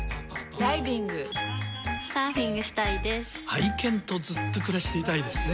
愛犬とずっと暮らしていたいですね。